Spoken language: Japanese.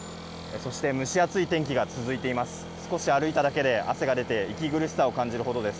そして、蒸し暑い天気が続いています。